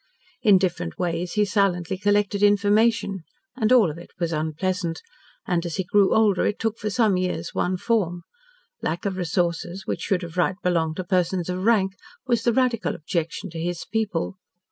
In different ways he silently collected information, and all of it was unpleasant, and, as he grew older, it took for some years one form. Lack of resources, which should of right belong to persons of rank, was the radical objection to his people.